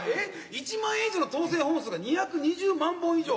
１万円以上の当選本数が２２０万本以上。